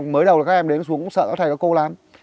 mới đầu là các em đến xuống cũng sợ các thầy các cô lắm